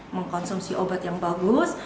mengkonsumsi obat yang bagus